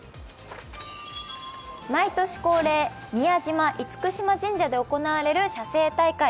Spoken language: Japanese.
毎年恒例、宮島厳島神社で行われる射精大会。